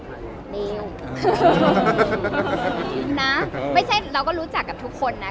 ไม่อย่าลืมนะไม่ใช่เราก็รู้จักกับทุกคนนะ